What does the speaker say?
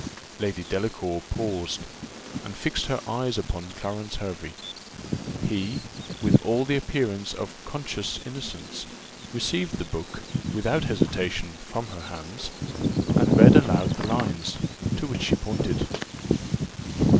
Lady Delacour paused, and fixed her eyes upon Clarence Hervey. He, with all the appearance of conscious innocence, received the book, without hesitation, from her hands, and read aloud the lines, to which she pointed.